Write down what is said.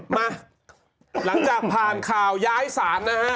มาหลังจากผ่านข่าวย้ายศาลนะฮะ